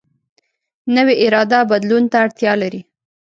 نوې اراده بدلون ته اړتیا لري